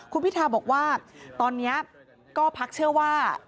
คุณพิทาบอกว่าตอนนี้ก็พักเชื่อว่า